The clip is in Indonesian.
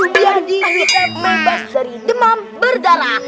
biar kita bebas dari demam berdarah